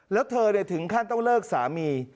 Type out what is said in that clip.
แล้วเธอถึงขั้นต้องเลิกสามี